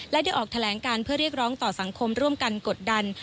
และได้ออกแถลงการเพื่อเรียกร้องต่อสังคมร่วมกันกดดัน